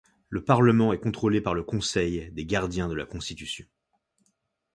Le Parlement est contrôlé par le Conseil des gardiens de la constitution.